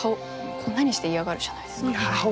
こんなにして嫌がるじゃないですか。